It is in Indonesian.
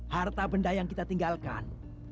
harta benda yang kita tinggalkan